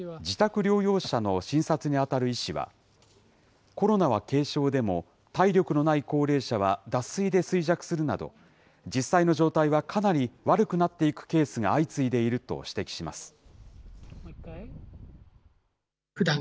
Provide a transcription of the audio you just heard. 自宅療養者の診察に当たる医師は、コロナは軽症でも、体力のない高齢者は脱水で衰弱するなど、実際の状態はかなり悪くなっていくケースが相次いでいると指摘します。